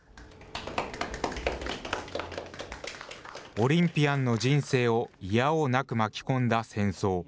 オリンピアンの人生を否応なく巻き込んだ戦争。